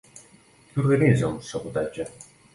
Qui organitza un sabotatge?